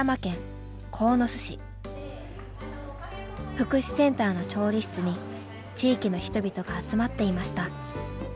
福祉センターの調理室に地域の人々が集まっていました。